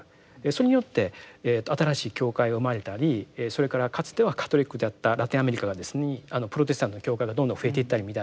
それによって新しい教会が生まれたりそれからかつてはカトリックであったラテンアメリカにプロテスタントの教会がどんどん増えていったりみたいなですね